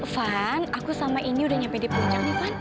van aku sama ini udah nyampe di puncak nih van